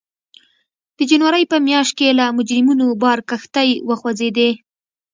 د جنورۍ په میاشت کې له مجرمینو بار کښتۍ وخوځېدې.